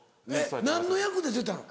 何の役で出たの？